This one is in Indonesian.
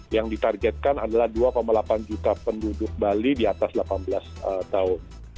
yang ditargetkan adalah dua delapan juta penduduk bali di atas delapan belas tahun